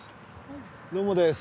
どうもです。